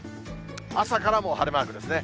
朝からもう晴れマークですね。